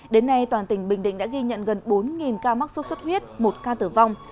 đến nay toàn tỉnh bình định đã ghi nhận gần bốn ca mắc sốt xuất huyết một ca tử vong